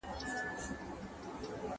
شــر پۀ دې سیــمه ؤ خـو شــر پۀ مساواتو نۀ ؤ